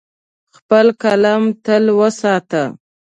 خپل قلم تل وساته.